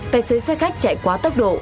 tài xế xe khách chạy quá tốc độ